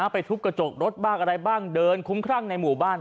ทุบกระจกรถบ้างอะไรบ้างเดินคุ้มครั่งในหมู่บ้าน